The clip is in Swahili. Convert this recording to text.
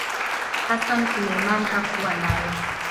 Hassan Suleiman hakuwa nayo.